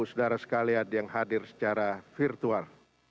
saudara sekalian yang hadir secara virtual